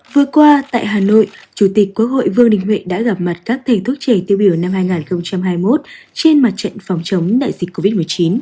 vừa qua tại hà nội chủ tịch quốc hội vương đình huệ đã gặp mặt các thầy thuốc trẻ tiêu biểu năm hai nghìn hai mươi một trên mặt trận phòng chống đại dịch covid một mươi chín